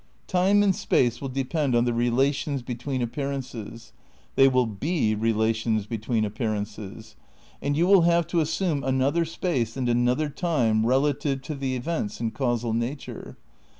Time and space will depend on the relations between appearances, they will be re lations between appearances ; and you will have to as sume another space and another time relative to the events in causal nature.